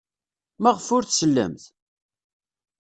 Maɣef ur tsellemt?